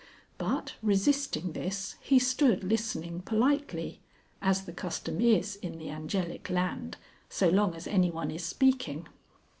But, resisting this, he stood listening politely (as the custom is in the Angelic Land, so long as anyone is speaking).